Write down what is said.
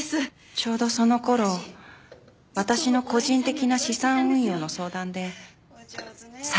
ちょうどその頃私の個人的な資産運用の相談で小百合さんと出会った。